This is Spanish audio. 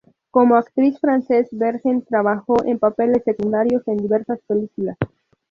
Como actriz, Frances Bergen trabajó en papeles secundarios en diversas películas.